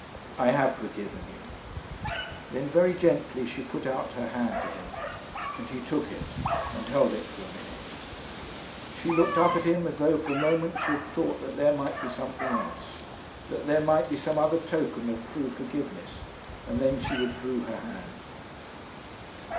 'I have forgiven you.' Then very gently she put out her hand to him, and he took it and held it for a minute. She looked up at him as though for a moment she had thought that there might be something else, that there might be some other token of true forgiveness, and then she withdrew her hand.